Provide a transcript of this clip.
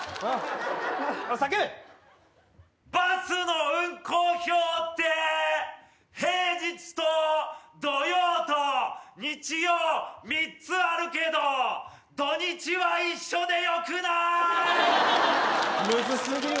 うん叫べバスの運行表って平日と土曜と日曜３つあるけど土日は一緒でよくなーい？